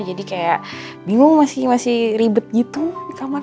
jadi kayak bingung masih ribet gitu di kamar